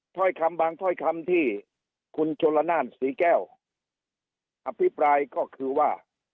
ถ้อยคำบางถ้อยคำที่คุณชลนานศรีแก้วอภิปรายก็คือว่า